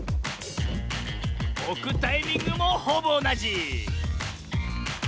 おくタイミングもほぼおなじ！